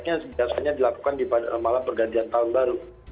yang biasanya dilakukan di malam pergantian tahun baru